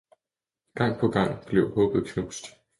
Gang på gang bliver håbet knust.